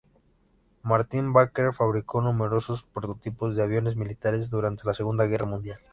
Martin-Baker fabricó numerosos prototipos de aviones militares durante la Segunda Guerra Mundial.